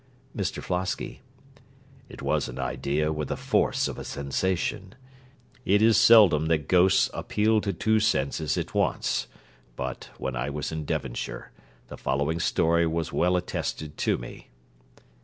MR FLOSKY It was an idea with the force of a sensation. It is seldom that ghosts appeal to two senses at once; but, when I was in Devonshire, the following story was well attested to me.